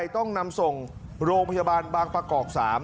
ต้องนำส่งโรงพยาบาลบางประกอบ๓